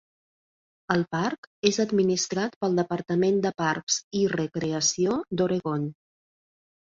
El parc és administrat pel Departament de Parcs i Recreació d'Oregon.